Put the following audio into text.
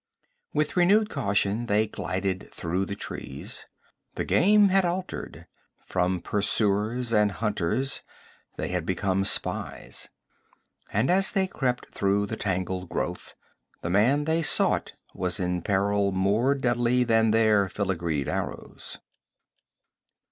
With renewed caution they glided through the trees. The game had altered; from pursuers and hunters they had become spies. And as they crept through the tangled growth, the man they sought was in peril more deadly than their filigreed arrows.